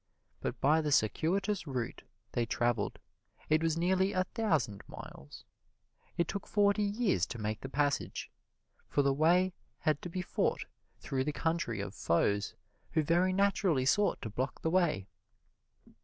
But by the circuitous route they traveled it was nearly a thousand miles. It took forty years to make the passage, for the way had to be fought through the country of foes who very naturally sought to block the way.